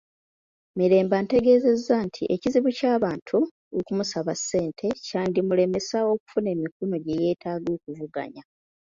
Mirembe ategeezezza nti ekizibu ky'abantu okumusaba ssente kyandimulemesa okufuna emikono gye yeetaaga okuvuganya.